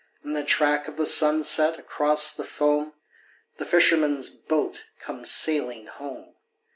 In the track of the sunset, across the foam. The fisherman's boat comes sailing home.